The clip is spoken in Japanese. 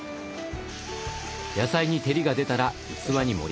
野菜に照りが出たら器に盛ります。